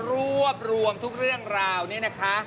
รวบรวมทุกเรื่องราวนี้นะคะ